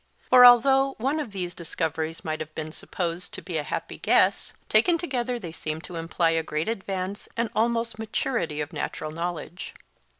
For, although one of these discoveries might have been supposed to be a happy guess, taken together they seem to imply a great advance and almost maturity of natural knowledge.